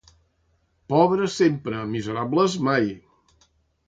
Pobres sempre, miserables mai.